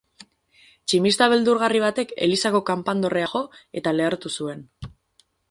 Tximista beldurgarri batek elizako kanpandorrea jo eta lehertu zuen.